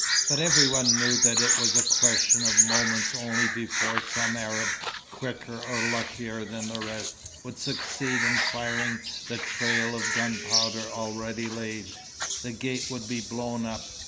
But every one knew that it was a question of moments only before some Arab, quicker or luckier than the rest, would succeed in firing the trail of gunpowder already laid. The gate would be blown up.